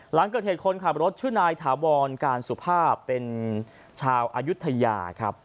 หลังเกิดเหตุคนขับรถชื่อนายถาวรการสุภาพเป็นชาวอายุทยาครับ